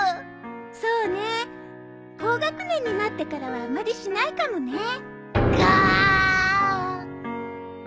そうね高学年になってからはあまりしないかもね。ガーン！